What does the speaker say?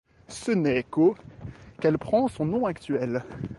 Ce n'est qu'au qu'elle prend son nom actuel.